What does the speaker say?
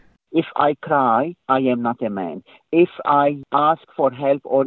jika saya menangis saya bukan seorang lelaki